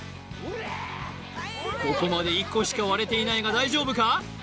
ここまで１個しか割れていないが大丈夫か？